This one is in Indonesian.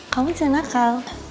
kamu jangan nakal